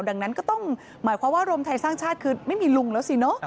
ดังนั้นก็ต้องหมายความว่ารวมไทยสร้างชาติคือไม่มีลุงแล้วสิเนอะ